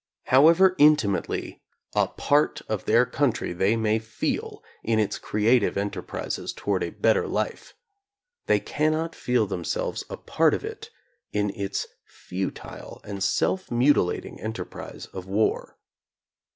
How ever intimately a part of their country they may feel in its creative enterprises toward a better life, they cannot feel themselves a part of it in its fu* [ml die and self mutilating enterprise of war.